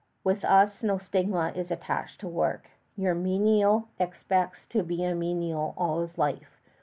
With us no stigma is attached to work. Your menial expects to be a menial all his life.